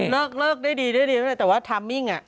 เลิกเลิกได้ดีแต่ว่าทัมมิ้งอะ